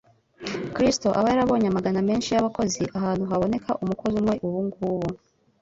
Kristo aba yarabonye amagana menshi y'abakozi ahantu haboneka umukozi umwe ubu ngubu.